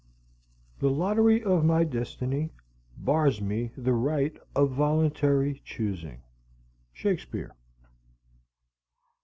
The lottery of my destiny Bars me the right of voluntary choosing. _Shakespeare.